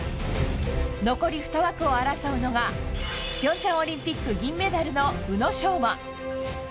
残り２枠を争うのが平昌オリンピック銀メダルの宇野昌磨。